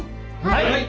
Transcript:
はい！